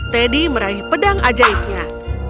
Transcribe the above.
teddy meraih pedang ajaibnya